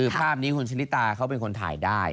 คือภาพนี้คุณชนิตาเขาเป็นคนถ่ายได้